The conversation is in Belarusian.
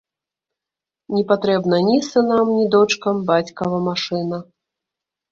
Не патрэбна ні сынам ні дочкам бацькава машына.